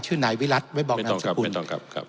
ไม่ต้องครับไม่ต้องครับ